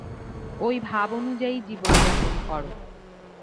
ঐ ভাব অনুযায়ী জীবন যাপন কর।